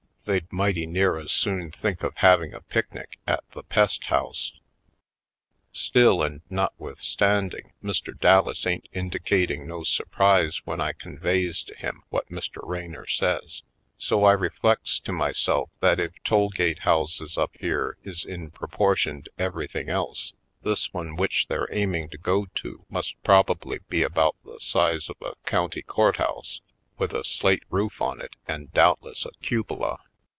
They'd mighty near as soon think of having a picnic at the pest house. Still and notwithstanding, Mr. Dallas ain't indicating no surprise when I conveys to him what Mr. Raynor says, so I reflects to myself that if toll gate houses up here is in proportion to everything else this one which they're aiming to go to, must prob ably be about the size of a county court house, with a slate roof on it and doubtless a cupola.